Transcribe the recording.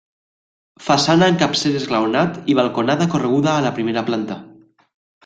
Façana amb capcer esglaonat i balconada correguda a la primera planta.